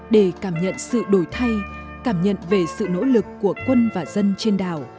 để cảm nhận sự đổi thay cảm nhận về sự nỗ lực của quân và dân trên đảo